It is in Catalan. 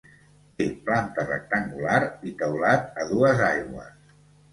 Té planta rectangular i teulat a dues aigües.